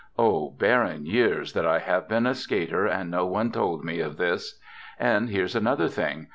Oh, barren years that I have been a skater, and no one told me of this! And here's another thing.